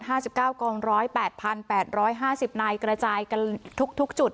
ห้าสิบเก้ากองร้อยแปดพันแปดร้อยห้าสิบนายกระจายกันทุกทุกจุด